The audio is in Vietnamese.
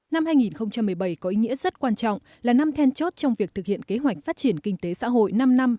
năm hai nghìn một mươi bảy có ý nghĩa rất quan trọng là năm then chốt trong việc thực hiện kế hoạch phát triển kinh tế xã hội năm năm